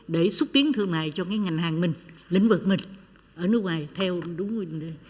để xúc tiến thương mại cho cái ngành hàng mình lĩnh vực mình ở nước ngoài theo đúng quy định